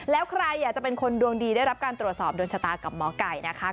แล้วใครอยากจะเป็นคนดวงดีได้รับการตรวจสอบโดนชะตากับหมอไก่นะคะ